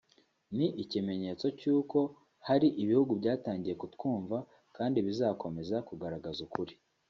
ni ikimenyetso cy’uko hari ibihugu byatangiye kutwumva kandi bizakomeza kugaragaza ukuri